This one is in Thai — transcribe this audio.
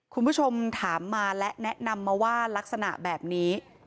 คุณผู้ชมถามมาและแนะนำมาว่ารักษณะแบบนี้